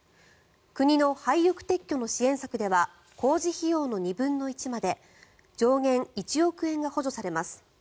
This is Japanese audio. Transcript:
国の廃屋撤去の支援策では工事費用の２分の１まで上限１億円が補助されます。